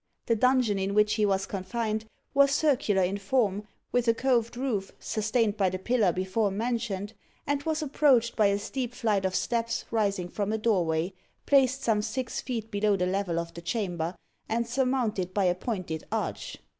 The dungeon in which he was confined was circular in form, with a coved roof, sustained by the pillar before mentioned, and was approached by a steep flight of steps rising from a doorway, placed some six feet below the level of the chamber, and surmounted by a pointed arch.